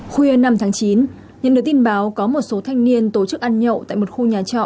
khuya năm tháng chín nhận được tin báo có một số thanh niên tổ chức ăn nhậu tại một khu nhà trọ